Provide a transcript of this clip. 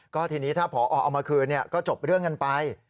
ก็ทีนี้ถ้าผอเอามาคืนก็จบเรื่องกันไป